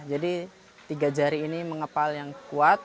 jadi tiga jari ini mengepal yang kuat